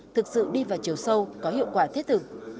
thực sự đi vào chiều sâu có hiệu quả thiết thực